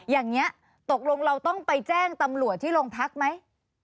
อย่างนี้ตกลงเราต้องไปแจ้งตำรวจที่โรงพักไหม